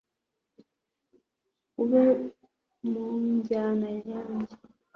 ube mu njyana yanjye